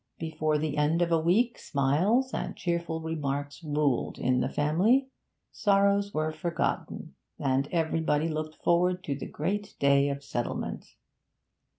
Before the end of a week smiles and cheerful remarks ruled in the family; sorrows were forgotten, and everybody looked forward to the great day of settlement.